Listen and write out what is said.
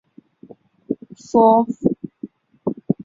台湾人字果为毛茛科人字果属下的一个种。